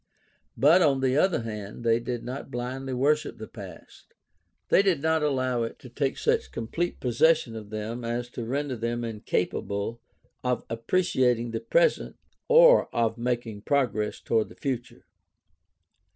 But, on the other hand, they did not blindly worship the past. They did not allow it to take such complete possession of them as to render them incapable of appreciating the present or of mak ing progress toward the future.